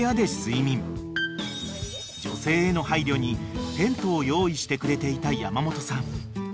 ［女性への配慮にテントを用意してくれていた山本さん］